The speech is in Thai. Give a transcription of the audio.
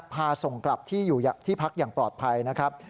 พาส่งกลับที่อยู่ที่พักอย่างปลอดภัยนะครับ